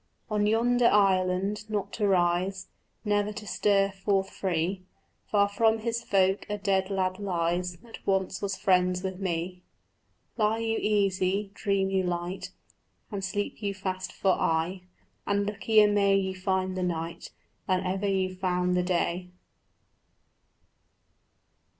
On yonder island, not to rise, Never to stir forth free, Far from his folk a dead lad lies That once was friends with me. Lie you easy, dream you light, And sleep you fast for aye; And luckier may you find the night Than ever you found the day.